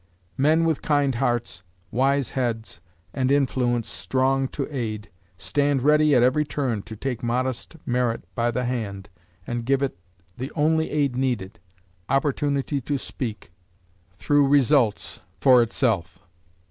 Men with kind hearts, wise heads, and influence strong to aid, stand ready at every turn to take modest merit by the hand and give it the only aid needed, opportunity to speak, through results, for itself.